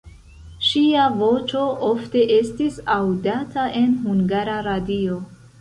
Ŝia voĉo ofte estis aŭdata en Hungara Radio.